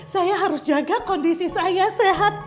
saya harus jaga kondisi saya sehat